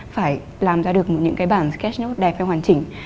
phải làm ra được những cái bản sketch note đẹp và hoàn chỉnh